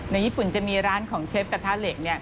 ญี่ปุ่นจะมีร้านของเชฟกระทะเหล็ก